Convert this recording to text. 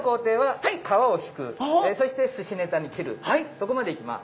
そこまでいきます。